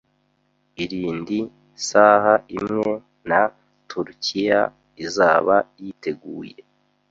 Irindi saha imwe na turkiya izaba yiteguye.